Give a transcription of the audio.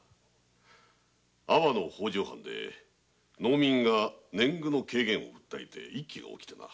安房の北条藩で年貢の軽減を訴えて一揆が起きてな。